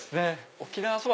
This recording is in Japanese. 沖縄そば